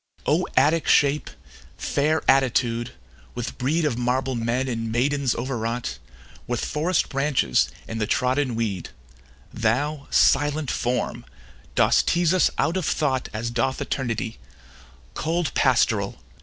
O Attic shape! Fair attitude! with brede Of marble men and maidens overwrought, With forest branches and the trodden weed; Thou, silent form, dost tease us out of thought As doth eternity: Cold Pastoral!